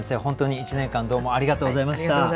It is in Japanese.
本当に一年間どうもありがとうございました。